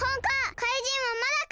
かいじんはまだか！